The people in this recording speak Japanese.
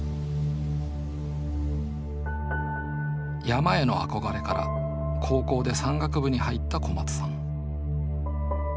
山への憧れから高校で山岳部に入った小松さん。